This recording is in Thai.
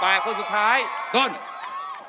โอเคไปเอาคนสุดท้ายกล้านโอเค